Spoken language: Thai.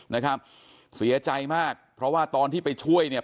นะครับเสียใจมากเพราะว่าตอนที่ไปช่วยเนี่ย